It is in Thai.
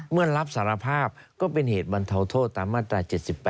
เมื่อรับสารภาพก็เป็นเหตุบรรเทาโทษตามมาตรา๗๘